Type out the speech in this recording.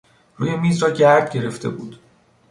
روی میز را گرد گرفته بود.